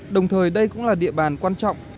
đồng thời đây cũng là địa bàn quan trọng